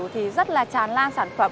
thì rất là tràn lan sản phẩm